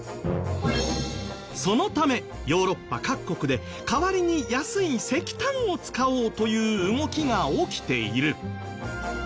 そのためヨーロッパ各国で代わりに安い石炭を使おうという動きが起きている。